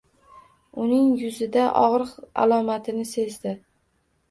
Uning yuzida ogʻriq alomatini sezdi.